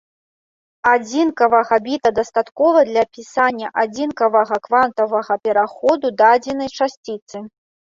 Адзінкавага біта дастаткова для апісання адзінкавага квантавага пераходу дадзенай часціцы.